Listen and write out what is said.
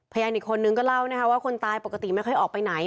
พยานอีกคนนึงก็เล่านะคะว่าคนตายปกติไม่ค่อยออกไปไหน